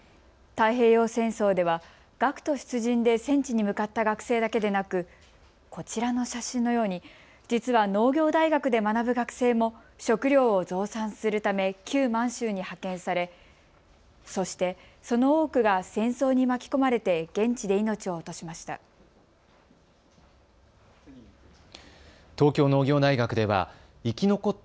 太平洋戦争では学徒出陣で戦地に向かった学生だけでなくこちらの写真のように実は農業大学で学ぶ学生も食糧を増産するため旧満州に派遣されそして、その多くが戦争に巻き込まれて現地で命を落としました。